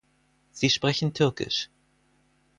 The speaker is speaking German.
Sie sprechen türkisch.